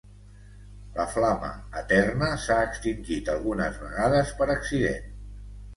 La flama eterna s'ha extingit algunes vegades per accident.